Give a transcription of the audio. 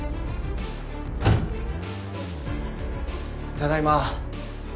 ただいま。